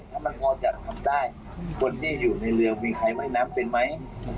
อย่างนิยวคนที่อยู่ในเรือวิไคมะยน้ำเป็นไหม